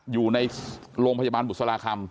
อยู่ในโรงพยาบาลบุษราคำ